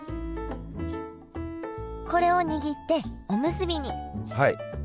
これを握っておむすびにはい。